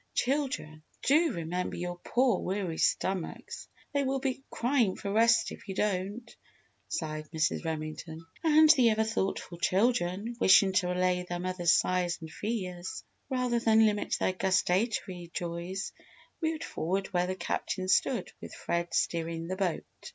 "Children, do remember your poor weary stomachs! They will be crying for rest if you don't!" sighed Mrs. Remington. And the ever thoughtful children, wishing to allay their mother's sighs and fears, rather than limit their gustatory joys moved forward where the Captain stood with Fred steering the boat.